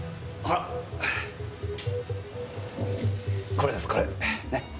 これですこれ。ね？